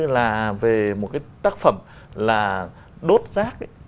là về một cái tác phẩm là đốt rác ấy